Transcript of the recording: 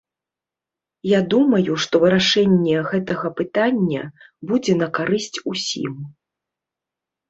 Я думаю, што вырашэнне гэтага пытання будзе на карысць усім.